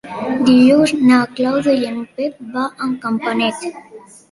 Dijous na Clàudia i en Pep van a Campanet.